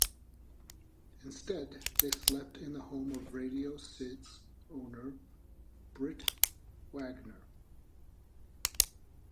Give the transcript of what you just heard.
Instead they slept in the home of Radio Syd's owner, Britt Wagner.